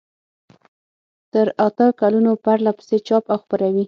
تر اته کلونو پرلپسې چاپ او خپروي.